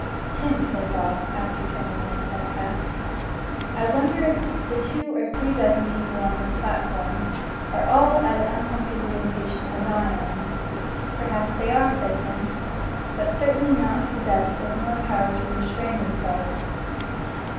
"Tim," said Bob, after twenty minutes had passed, "I wonder if the two or three dozen people on this platform are all as uncomfortably impatient as I am." "Perhaps they are," said Tim, "but certainly possessed of more power to restrain themselves."